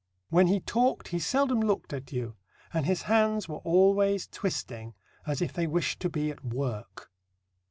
When he talked he seldom looked at you, and his hands were always twisting, as if they wished to be at work.